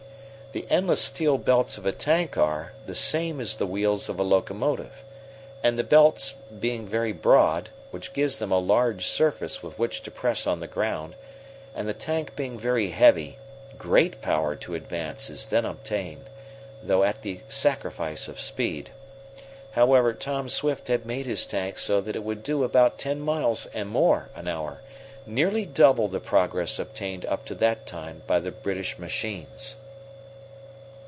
The endless steel belts of a tank are, the same as the wheels of a locomotive. And the belts, being very broad, which gives them a large surface with which to press on the ground, and the tank being very heavy, great power to advance is thus obtained, though at the sacrifice of speed. However, Tom Swift had made his tank so that it would do about ten miles and more an hour, nearly double the progress obtained up to that time by the British machines.